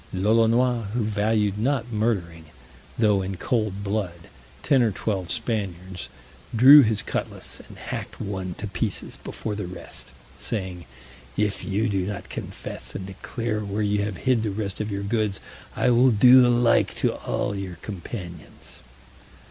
Lolonois, who valued not murdering, though in cold blood, ten or twelve Spaniards, drew his cutlass, and hacked one to pieces before the rest, saying, "If you do not confess and declare where you have hid the rest of your goods, I will do the like to all your companions."